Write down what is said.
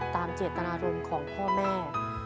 ตามเจตนารมณ์ของพ่อแม่